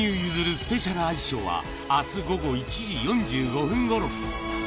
スペシャルアイスショーは、あす午後１時４５分ごろ。